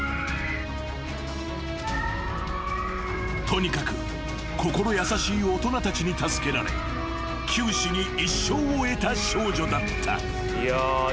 ［とにかく心優しい大人たちに助けられ九死に一生を得た少女だった］